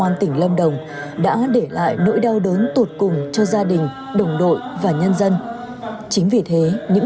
an tỉnh lâm đồng đã để lại nỗi đau đớn tụt cùng cho gia đình đồng đội và nhân dân chính vì thế những